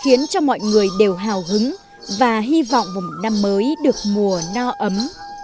khiến cho mọi người đều hào hứng và hy vọng vào một năm mới được mùa no ấm